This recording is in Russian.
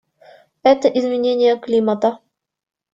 Это изменение климата.